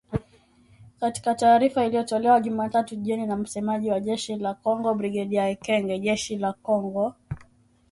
Katika taarifa iliyotolewa Jumatatu jioni na msemaji wa jeshi la kongo Brigedia Ekenge, jeshi la kongo